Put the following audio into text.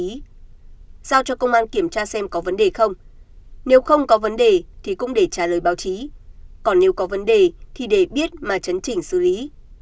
vì sao cho công an kiểm tra xem có vấn đề không nếu không có vấn đề thì cũng để trả lời báo chí còn nếu có vấn đề thì để biết mà chấn chỉnh xử lý